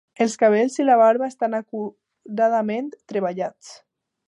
Els cabells i la barba estan acuradament treballats.